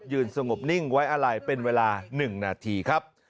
ยืนสงบนิ่งไว้อาล่ายเป็นเวลา๑นาทีครับ